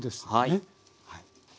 はい。